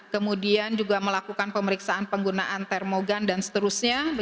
kemudian juga melakukan pemeriksaan penggunaan termogan dan seterusnya